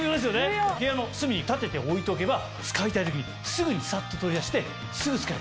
部屋の隅に立てて置いておけば使いたい時にすぐにサッと取り出してすぐ使えるんです。